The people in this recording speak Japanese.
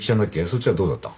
そっちはどうだった？